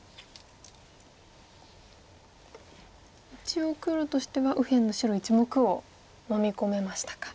一応黒としては右辺の白１目をのみ込めましたか。